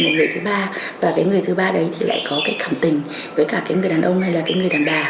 một người thứ ba và cái người thứ ba đấy thì lại có cái cảm tình với cả cái người đàn ông hay là cái người đàn bà